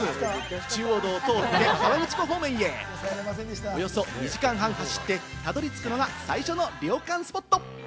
中央道を通って河口湖方面へ、およそ２時間半はしってたどり着くのが最初の涼感スポット。